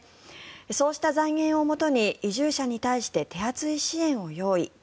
そうした財源をもとに移住者に対して手厚い支援を用意。